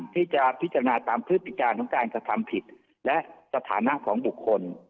พิจารณาตามพฤติการของการกระทำผิดและสถานะของบุคคล